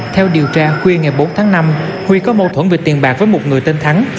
theo điều tra khuya ngày bốn tháng năm huy có mâu thuẫn về tiền bạc với một người tên thắng